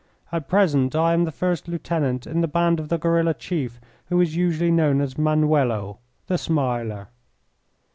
At present I am the first lieutenant in the band of the guerilla chief who is usually known as Manuelo, 'The Smiler.'"